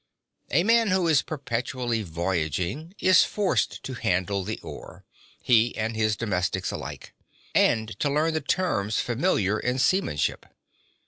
(51) A man who is perpetually voyaging is forced to handle the oar, he and his domestics alike, and to learn the terms familiar in seamanship.